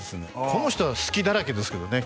この人は隙だらけですけどね